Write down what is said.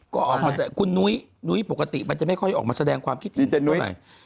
คุณนุ้ยนุ้ยปกติมันจะไม่ค่อยออกมาแสดงความคิดถึงเท่าไร